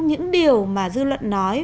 những điều mà dư luận nói